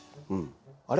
あれ？